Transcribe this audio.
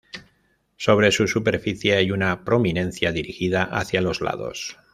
Sobre su superficie, hay una prominencia dirigida hacia los lados.